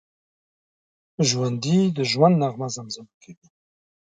ژوندي د ژوند نغمه زمزمه کوي